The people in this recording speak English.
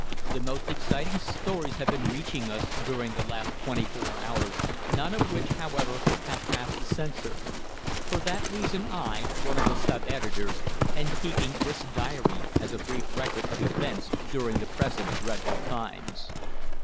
"The most exciting stories have been reaching us during the last twenty four hours, none of which, however, have passed the censor. For that reason I, one of the sub editors, am keeping this diary, as a brief record of events during the present dreadful times.